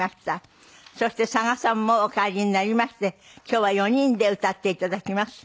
そして佐賀さんもお帰りになりまして今日は４人で歌って頂きます。